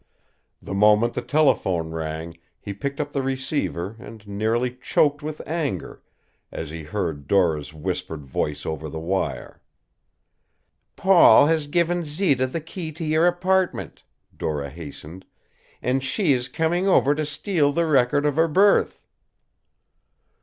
The moment the telephone rang he picked up the receiver and nearly choked with anger as he heard Dora's whispered voice over the wire. "Paul has given Zita the key to your apartment," Dora hastened, "and she is coming over to steal the record of her birth."